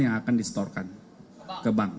yang akan distorkan ke bank